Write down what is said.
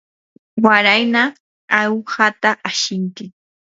warayna awhata ashinki.